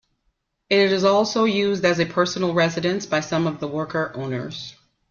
It is also used as a personal residence by some of the worker-owners.